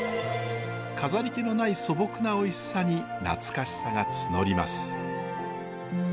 飾り気のない素朴なおいしさに懐かしさが募ります。